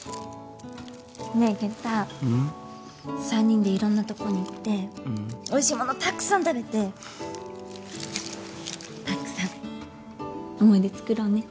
３人でいろんなとこに行っておいしいものたくさん食べてたくさん思い出つくろうね。